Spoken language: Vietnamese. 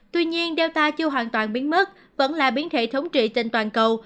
tuy nhiên do chưa hoàn toàn biến mất vẫn là biến thể thống trị trên toàn cầu